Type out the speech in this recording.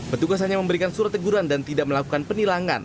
petugas hanya memberikan surat teguran dan tidak melakukan penilangan